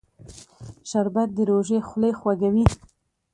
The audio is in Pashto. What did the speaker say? شربت د روژې خولې خوږوي